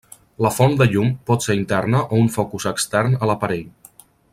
La font de llum pot ser interna o un focus extern a l'aparell.